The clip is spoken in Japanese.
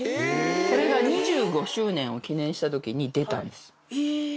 これが２５周年を記念したときに出たんです。